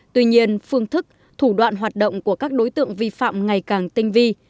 tuy nhiên phương thức thủ đoạn hoạt động của các đối tượng vi phạm ngày càng tinh vi